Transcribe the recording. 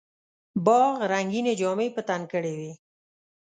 باغ رنګیني جامې په تن کړې وې.